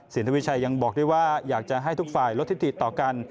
ทวิชัยยังบอกด้วยว่าอยากจะให้ทุกฝ่ายลดทิติต่อกัน